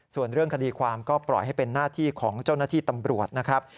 ส่วนเรื่องคดีความก็ปล่อยให้เป็นหน้าที่ของเจ้าหน้าที่ตำรวจนะครับ